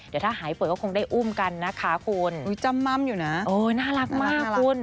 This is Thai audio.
เดี๋ยวถ้าหายป่วยก็คงได้อุ้มกันนะคะคุณอุ้ยจำม่ำอยู่นะเออน่ารักมากคุณ